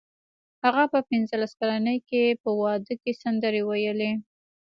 هغه په پنځلس کلنۍ کې په واده کې سندرې وویلې